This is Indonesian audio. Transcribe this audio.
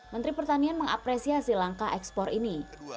menteri pertanian mengapresiasi langkah ekspor ini